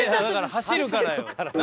走るからよ。